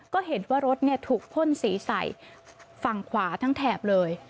ก็เห็นว่ารถถูกพ่นสีใส่ฝั่งขวาทั้งแถบเลย